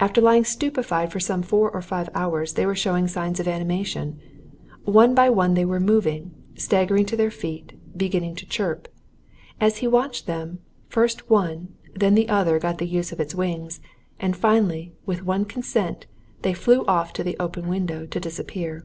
After lying stupefied for some four or five hours they were showing signs of animation. One by one they were moving, staggering to their feet, beginning to chirp. And as he watched them, first one and then the other got the use of its wings; and, finally, with one consent, they flew off to the open window to disappear.